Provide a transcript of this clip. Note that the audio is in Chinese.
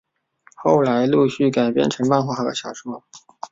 后来陆续改编成漫画和小说。